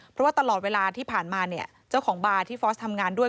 เพราะว่าตลอดเวลาที่ผ่านมาเนี่ยเจ้าของบาร์ที่ฟอร์สทำงานด้วย